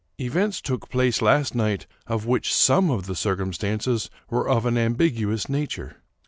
Events took place last night of which some of the circumstances were of an ambiguous nature.